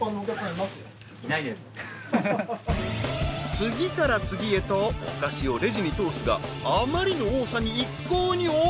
［次から次へとお菓子をレジに通すがあまりの多さに一向に終わらない］